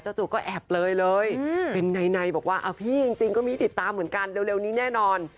จู่ก็แอบเลยเลยเป็นในบอกว่าเอาพี่จริงก็มีติดตามเหมือนกันเร็วนี้แน่นอน